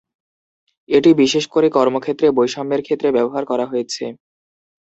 এটি বিশেষ করে কর্মক্ষেত্রে বৈষম্যের ক্ষেত্রে ব্যবহার করা হয়েছে।